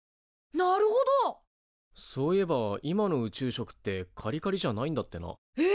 そういえば今の宇宙食ってカリカリじゃないんだってな。え！？